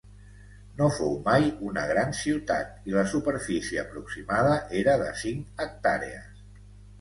No fou mai una gran ciutat i la superfície aproximada era de cinc hectàrees.